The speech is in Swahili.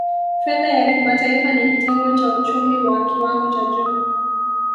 Fedha ya kimataifa ni kitengo cha uchumi wa kiwango cha juu